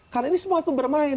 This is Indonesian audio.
karena ini semua itu bermain